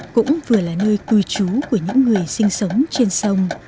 cũng vừa là nơi tùy chú của những người sinh sống trên sông